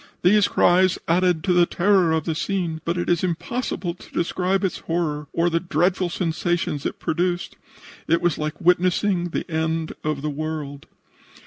These cries added to the terror of the scene, but it is impossible to describe its horror or the dreadful sensations it produced. It was like witnessing the end of the world.